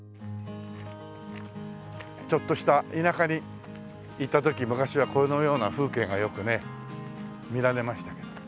ちょっとした田舎に行った時昔はこのような風景がよくね見られましたよ。